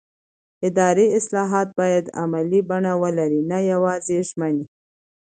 اداري اصلاحات باید عملي بڼه ولري نه یوازې ژمنې